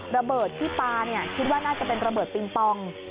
ระเบิดที่ปลาคิดว่าน่าจะเป็นระเบิดปิงปอง